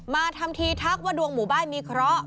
มาทำทีทักว่าดวงหมู่บ้านมีเคราะห์